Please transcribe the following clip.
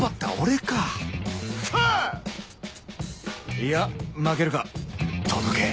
いや負けるか届け